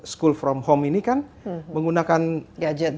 school from home ini kan menggunakan gadget